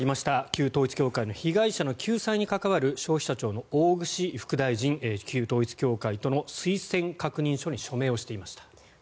旧統一教会の被害者救済に関わる消費者庁の大串副大臣旧統一教会との推薦確認書に署名をしていました。